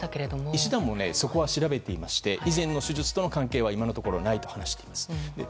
医師団もそこは調べていまして以前の手術との関係は今のところないと話しています。